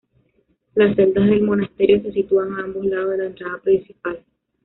Las celdas del monasterio se sitúan a ambos lados de la entrada principal.